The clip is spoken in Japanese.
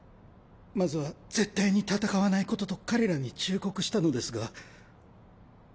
まずは絶対に戦わないことと彼らに忠告したのですが。